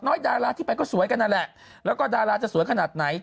ดาราที่ไปก็สวยกันนั่นแหละแล้วก็ดาราจะสวยขนาดไหน